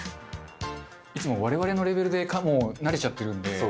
いつも我々のレベルでもう慣れちゃってるんで。